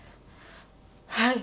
はい。